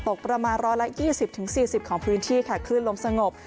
ประมาณ๑๒๐๔๐ของพื้นที่ค่ะคลื่นลมสงบ